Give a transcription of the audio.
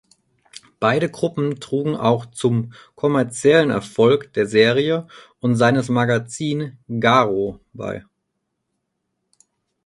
Beide Gruppen trugen auch zum kommerziellen Erfolg der Serie und seines Magazin "Garo" bei.